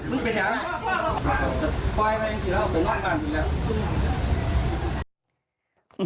อืม